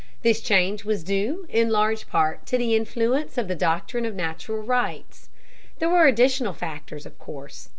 This change was due, in large part, to the influence of the doctrine of natural rights. There were additional factors, of course.